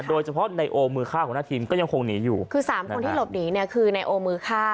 โดยเฉพาะในโอมือฆ่าหัวหน้าทีมก็ยังคงหนีอยู่คือสามคนที่หลบหนีเนี่ยคือนายโอมือฆ่า